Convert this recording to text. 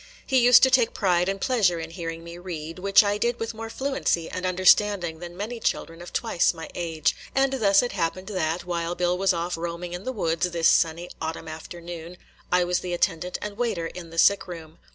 He used to take pride and pleasure in hearing me read, which I did with more fluency and understanding than many children of twice my age; and thus it happened that, while Bill was off roaming in the woods this sunny autumn afternoon, I was the attendant and waiter in the sick room.